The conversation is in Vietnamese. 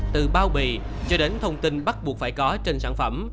từ bao bì cho đến thông tin bắt buộc phải có trên sản phẩm